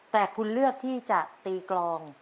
แต่คุณเลือกที่จะตีกลอง